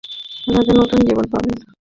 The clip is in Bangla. রাজা নতুন জীবন পাবেন।